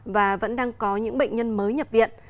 và vẫn đang có những bệnh nhân mới nhập viện